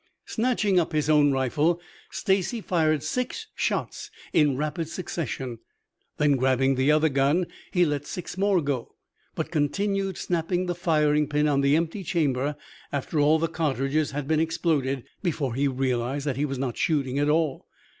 Snatching up his own rifle, Stacy fired six shots in rapid succession. Then grabbing the other gun, he let six more go, but continued snapping the firing pin on the empty chamber after all the cartridges had been exploded, before he realized that he was not shooting at all.